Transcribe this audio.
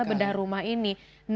membangunan rumah mereka